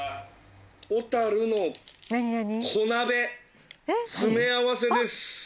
小樽の小鍋詰め合わせです。